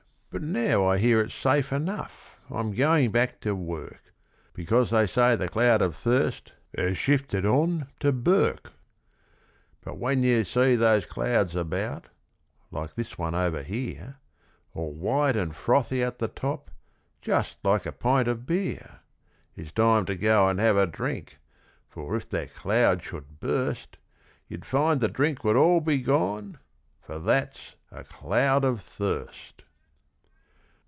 But now I hear it's safe enough, I'm going back to work Because they say the cloud of thirst has shifted on to Bourke. 'But when you see those clouds about like this one over here All white and frothy at the top, just like a pint of beer, It's time to go and have a drink, for if that cloud should burst You'd find the drink would all be gone, for that's a cloud of thirst!'